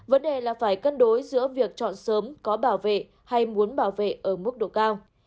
vấn đề là phải cân đối giữa việc chọn sớm có bảo vệ hay muốn bảo vệ ở mức độ cao